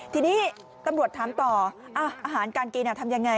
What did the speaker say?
ทีนี้ตำรวจถามต่ออาหารการกินทำยังไง